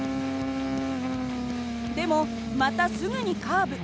でもまたすぐにカーブ。